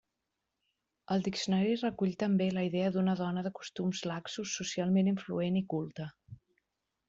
El diccionari recull també la idea d'una dona de costums laxos, socialment influent i culta.